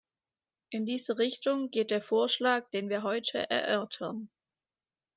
In diese Richtung geht der Vorschlag, den wir heute erörtern.